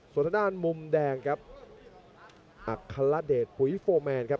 สวรรณนันมุมแดงครับอัคคลาเดชภุยโฟร์แมนครับ